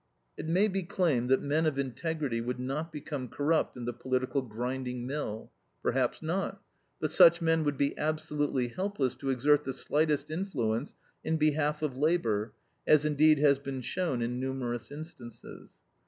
It may be claimed that men of integrity would not become corrupt in the political grinding mill. Perhaps not; but such men would be absolutely helpless to exert the slightest influence in behalf of labor, as indeed has been shown in numerous instances.